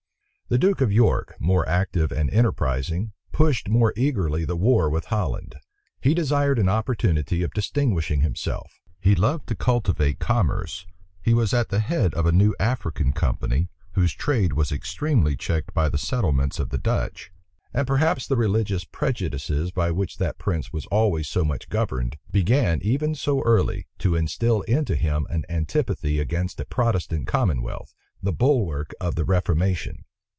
The duke of York, more active and enterprising, pushed more eagerly the war with Holland. He desired an opportunity of distinguishing himself: he loved to cultivate commerce: he was at the head of a new African company, whose trade was extremely checked by the settlements of the Dutch: and perhaps the religious prejudices by which that prince was always so much governed, began, even so early, to instil into him an antipathy against a Protestant commonwealth, the bulwark of the reformation.